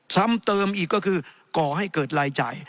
ซ้ำเติมอีกก็คือก่อให้เกิดรายจ่าย